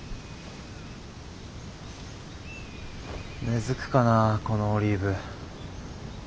根づくかなこのオリーブ。